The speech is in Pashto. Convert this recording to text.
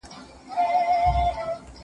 موږ باید د وروسته پاته والي عوامل وپېژنو.